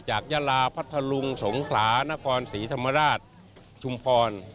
ยาลาพัทธลุงสงขลานครศรีธรรมราชชุมพร